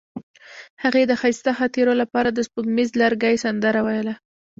هغې د ښایسته خاطرو لپاره د سپوږمیز لرګی سندره ویله.